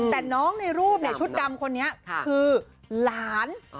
แต่ชุดดำคนนี้คือหลาน